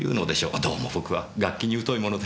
どうも僕は楽器に疎いもので。